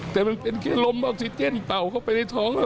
แต่มันเป็นแค่ลมออกซิเจนเต่าเข้าไปในท้อง